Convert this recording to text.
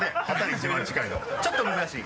ちょっと難しい？